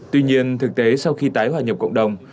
tuy nhiên thực tế sau khi tái hòa nhập cộng đồng